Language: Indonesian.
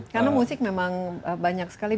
karena musik memang banyak sekali